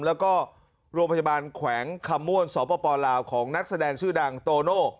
แล้วก็โรงพยาบาลแขวงคำม่วนสปลาวของนักแสดงชื่อดังโตโน่